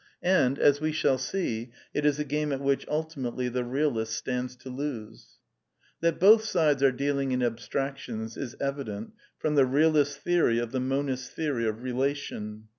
And, as we shall see, it is a game at which ultimately the realist stands to lose. That both sides are dealing in abstractions is evident from the realist's theory of the monist's theory of " rela tion.'